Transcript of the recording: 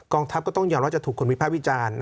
ทัพก็ต้องยอมว่าจะถูกคนวิภาพวิจารณ์